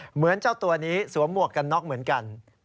เหมือนเจ้าตัวนี้สวมหมวกกันน็อกเหมือนกัน